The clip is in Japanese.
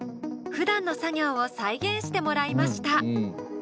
ふだんの作業を再現してもらいました。